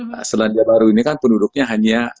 nah selandia baru ini kan penduduknya hanya